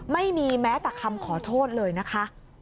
ไม่มีแม้แต่คำขอโทษเลยนะคะ